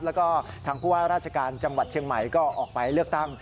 แล้วก็ทางผู้ว่าราชการจังหวัดเชียงใหม่ก็ออกไปเลือกตั้ง